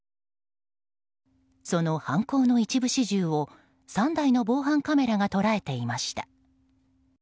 その犯行の一部始終を３台の防犯カメラが捉えていました。